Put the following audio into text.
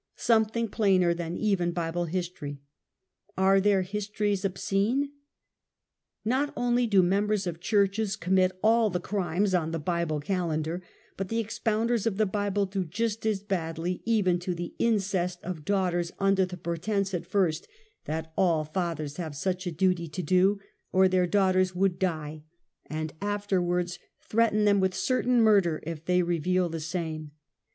Something plainer than even Bible history. Are their histories obscene ? 'Not only do members of churches commit all the crimes on the Bible calendar but the expounders of the 'Bible do just as badly, even to the incest of daughters under the pretense at first, that '''all fath ers have such a duty to do or their daughters would die," and afterwards threaten them with certain murder if they reveal the same.